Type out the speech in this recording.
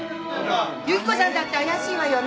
雪子さんだって怪しいわよね。